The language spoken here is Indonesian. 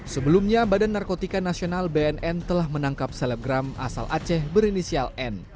sebelumnya bnn telah menangkap selebgram asal aceh berinisial n